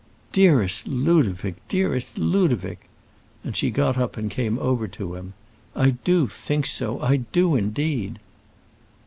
"Dearest Ludovic, dearest Ludovic!" and she got up and came over to him, "I do think so; I do, indeed."